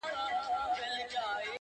د هغوی به پر اغزیو وي خوبونه،